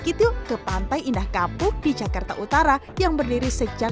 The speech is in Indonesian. sedikit yuk ke pantai indah kapuh di jakarta utara yang berdiri sejak dua ribu dua puluh